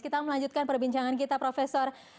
kita melanjutkan perbincangan kita profesor